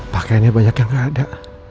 pakainya banyak yang ada